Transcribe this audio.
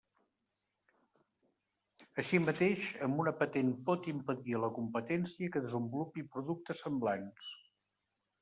Així mateix, amb una patent pot impedir a la competència que desenvolupi productes semblants.